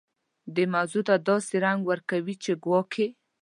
دې موضوع ته داسې رنګ ورکوي چې ګواکې.